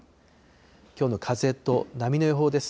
きょうの風と波の予報です。